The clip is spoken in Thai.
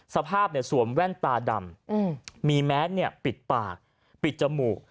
สวมแว่นตาดำมีแมสปิดปากปิดจมูก